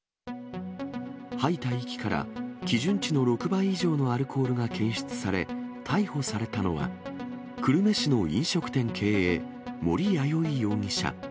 吐いた息から、基準値の６倍以上のアルコールが検出され、逮捕されたのは、久留米市の飲食店経営、森弥生容疑者。